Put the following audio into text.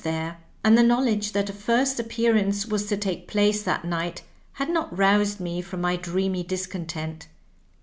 123 there, and the knowledge that a first appearance was to take pkce that night had not roused me from my dreamy discontent.